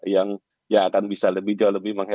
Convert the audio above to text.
yang akan bisa lebih jauh lebih mengkhawa